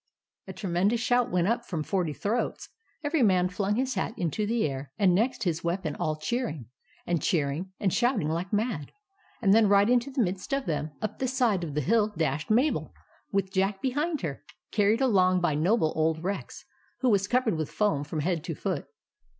A tremendous shout went up from forty throats. Every man flung his hat into the air, and next his weapon, all cheering and cheering and shouting like mad ; and then right into the midst of them, up the side of the hill, dashed Mabel, with Jack behind her, carried along by noble old Rex, who was covered with foam from head to foot.